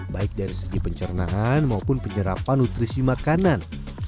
baik dari segi pencernaan maupun penyerapan nutrisi makanan